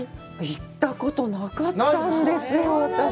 行ったことなかったんですよ、私。